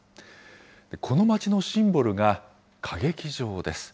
この町のシンボルが歌劇場です。